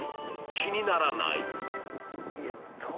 気にならないかな。